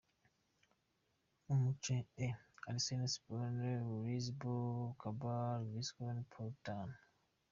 Umuce E: Arsenal, Sporting Lisbon , Qarabag , Vorskla Poltava .